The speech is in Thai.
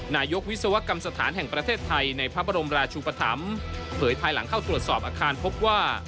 นายกวิศวกรรมสถานแห่งประเทศไทยในพระบรมราชุปธรรมเผยภายหลังเข้าตรวจสอบอาคารพบว่า